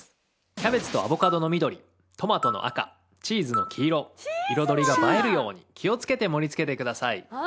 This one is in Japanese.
キャベツとアボカドの緑トマトの赤チーズの黄色彩りが映えるように気をつけて盛り付けてください